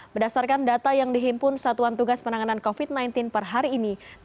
berdasarkan data yang dihimpun satuan tugas penanganan covid sembilan belas per hari ini